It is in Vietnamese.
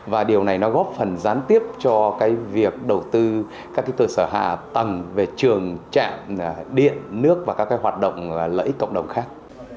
và điều này nó góp phần gián tiếp cho cái việc đầu tư các thứ tư sở hạ tầng về trường trạng điện nước và các cái hoạt động lợi ích cộng đồng khác